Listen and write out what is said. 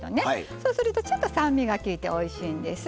そうするとちょっと酸味がきいておいしいんです。